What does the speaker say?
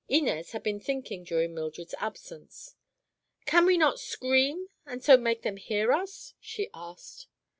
Inez had been thinking during Mildred's absence. "Can we not scream, and so make them hear us?" she asked.